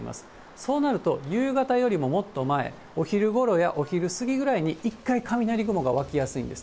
そうなると、夕方よりももっと前、お昼ごろやお昼過ぎぐらいに一回、雷雲が湧きやすいんです。